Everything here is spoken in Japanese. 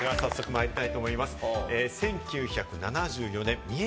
では早速まいりたいと思います。